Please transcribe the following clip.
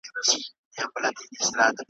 نوي جامې نه لرم زه نوي څپلۍ نه لرم `